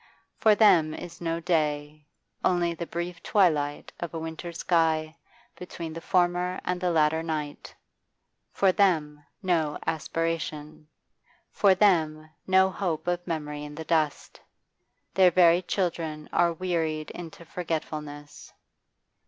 For them is no day, only the brief twilight of a winter sky between the former and the latter night For them no aspiration; for them no hope of memory in the dust; their very children are wearied into forgetfulness.